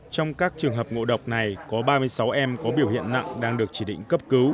trong các trường hợp ngộ độc này có ba mươi sáu em có biểu hiện nặng đang được chỉ định cấp cứu